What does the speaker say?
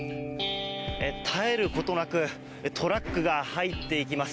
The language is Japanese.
絶えることなくトラックが入っていきます。